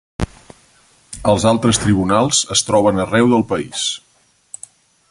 Els altres tribunals es troben arreu del país.